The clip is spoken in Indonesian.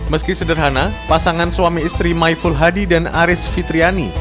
meski sederhana pasangan suami istri maiful hadi dan aris fitriani